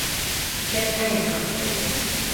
真愛碼頭